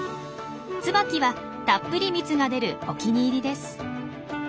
ツバキはたっぷり蜜が出るお気に入りです。